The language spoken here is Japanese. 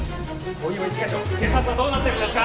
大岩一課長警察はどうなってるんですか？